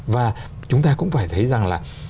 và chúng ta cũng phải thấy rằng là